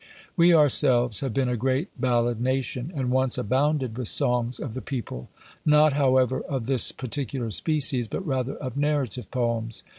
We ourselves have been a great ballad nation, and once abounded with songs of the people; not, however, of this particular species, but rather of narrative poems.